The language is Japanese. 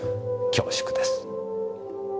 恐縮です。